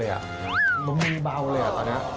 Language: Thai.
มือเบาเลยอ่ะมือเบาเลยอ่ะตอนนี้